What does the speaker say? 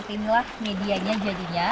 inilah medianya jadinya